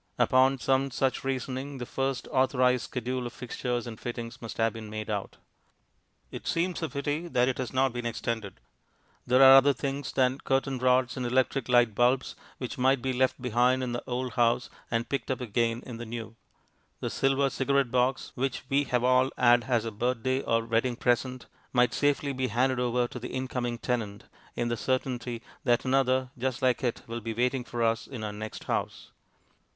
Upon some such reasoning the first authorized schedule of fixtures and fittings must have been made out. It seems a pity that it has not been extended. There are other things than curtain rods and electric light bulbs which might be left behind in the old house and picked up again in the new. The silver cigarette box, which we have all had as a birthday or wedding present, might safely be handed over to the incoming tenant, in the certainty that another just like it will be waiting for us in our next house.